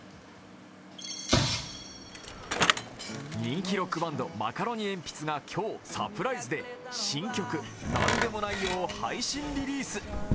人気ロックバンド、マカロニえんぴつが今日、サプライズで新曲「なんでもないよ」を配信リリース。